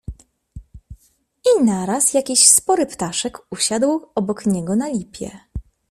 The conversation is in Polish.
I naraz jakiś spory ptaszek usiadł obok niego na lipie.